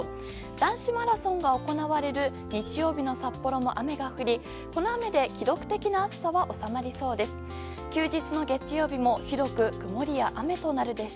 男子マラソンが行われる日曜日の札幌も雨が降りこの雨で記録的な暑さは収まりそうです。